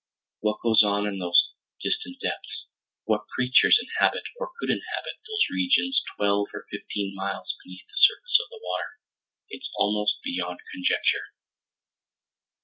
"What goes on in those distant depths? What creatures inhabit, or could inhabit, those regions twelve or fifteen miles beneath the surface of the water? It's almost beyond conjecture."